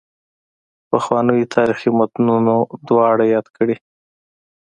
پخوانیو تاریخي متونو دواړه یاد کړي.